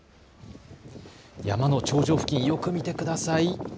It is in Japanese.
山の頂上付近、よく見てください。